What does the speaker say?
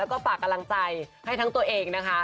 แล้วก็ฝากกำลังใจให้ทั้งตัวเองนะคะ